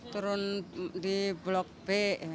turun di blok b